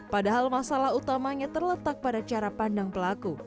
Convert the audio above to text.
padahal masalah utamanya terletak pada cara pandang pelaku